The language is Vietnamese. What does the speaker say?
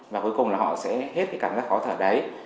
và cuối cùng họ sẽ hết cảm giác khó thở đấy